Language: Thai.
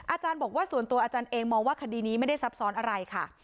อาจารย์บอกว่าส่วนตัวอาจารย์เองมองว่าคดีนี้ไม่ได้ซับซ้อนอะไรค่ะ